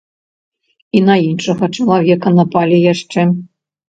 І на іншага чалавека напалі яшчэ.